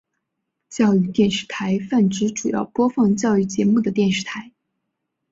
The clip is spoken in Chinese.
教育电视台泛指主要播放教育节目的电视台。